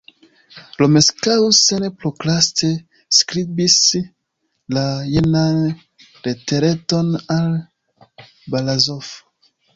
Romeskaŭ senprokraste skribis la jenan letereton al Barazof.